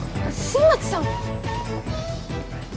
新町さん！？